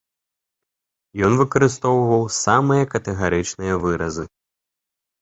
Ён выкарыстоўваў самыя катэгарычныя выразы.